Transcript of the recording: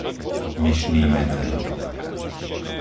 Vyšný Medzev